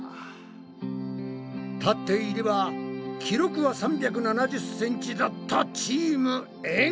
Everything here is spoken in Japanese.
立っていれば記録は３７０ｃｍだったチームエん。